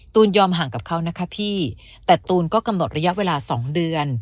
ยอมห่างกับเขานะคะพี่แต่ตูนก็กำหนดระยะเวลา๒เดือน